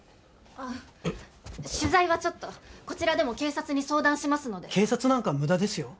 あっ取材はちょっとこちらでも警察に相談しますので警察なんか無駄ですよ